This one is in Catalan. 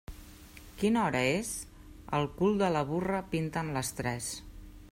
Quina hora és? Al cul de la burra pinten les tres.